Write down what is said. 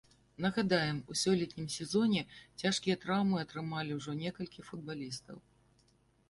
Нагадаем, у сёлетнім сезоне цяжкія траўмы атрымалі ўжо некалькі футбалістаў.